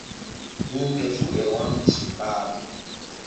Himɓe fu e wambi sukaaɓe.